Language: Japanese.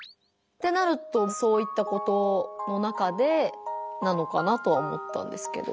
ってなるとそういったことの中でなのかなとは思ったんですけど。